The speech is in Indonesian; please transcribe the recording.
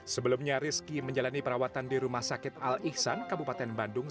sebelumnya rizki menjalani perawatan di rumah sakit al ihsan kabupaten bandung